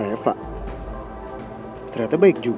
ya udah gue jalanin dulu